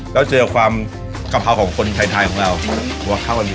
แล้วเจอกว่าความกระเพราของคนไทยไทยของเราหัวข้าวมันดี